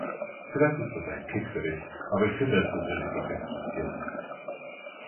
Vielleicht ist das ein Kick für dich, aber ich finde es persönlich doch recht frustrierend.